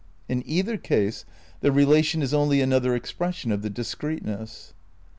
In either case the rela tion is only another expression of the discreteness.